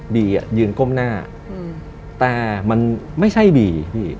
บีอ่ะยืนก้มหน้าแต่มันไม่ใช่บี